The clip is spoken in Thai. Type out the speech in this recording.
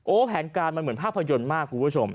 แผนการมันเหมือนภาพยนตร์มากคุณผู้ชม